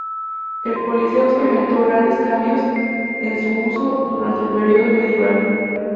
El Coliseo experimentó grandes cambios en su uso durante el periodo medieval.